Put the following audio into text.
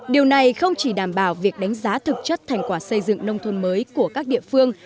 điều này không chỉ đảm bảo việc đánh giá thực chất thành quả xây dựng nông thôn mới của các địa phương